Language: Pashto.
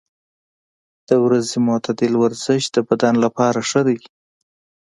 د ورځې معتدل ورزش د بدن لپاره ښه دی.